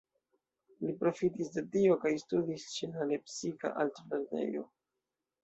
Li profitis de tio kaj studis ĉe la lepsika altlernejo.